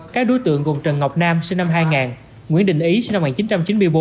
các đối tượng gồm trần ngọc nam sinh năm hai nghìn nguyễn đình ý sinh năm một nghìn chín trăm chín mươi bốn